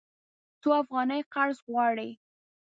څو افغانۍ قرض غواړې؟